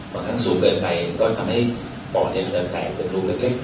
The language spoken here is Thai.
บางครั้งสูงเกินไปก็ทำให้ปอดแรงเกินแปลกเกินลูกเล็ก